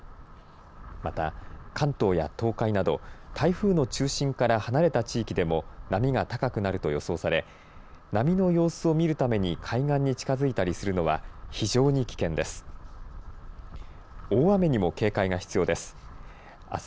また、関東や東海など台風の中心から離れた地域でも波が高くなると予想され波の様子を見るために海岸に近づいたりするのは非常に危険です。